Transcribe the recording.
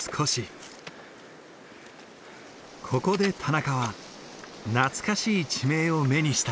ここで田中はなつかしい地名を目にした。